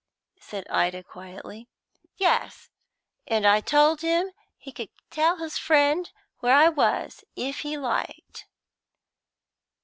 said Ida quietly. "Yes; and I told him he could tell his friend where I was, if he liked."